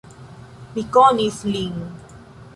Mi konis lin.